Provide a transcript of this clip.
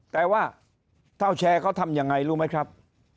แต่ว่าเท่าแชร์เขาทำยังไงรู้ไหมครับ